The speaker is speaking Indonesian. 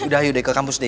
udah yuk ke kampus yuk